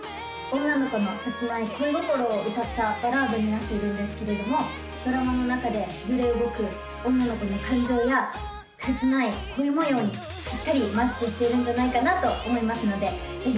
女の子の切ない恋心を歌ったバラードになっているんですけれどもドラマの中で揺れ動く女の子の感情や切ない恋模様にピッタリマッチしているんじゃないかなと思いますのでぜひ